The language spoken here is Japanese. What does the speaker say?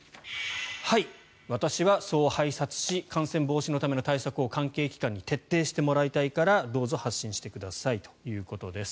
はい、私はそう拝察し感染防止のための対策を関係機関に徹底してもらいたいからどうぞ発信してくださいということです。